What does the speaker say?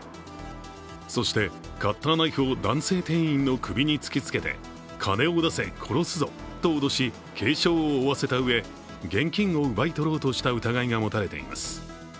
そして、カッターナイフを男性店員の首に突きつけて、金を出せ、殺すぞと脅し、軽傷を負わせたうえ現金を奪い取ろうとした疑いが持たれています。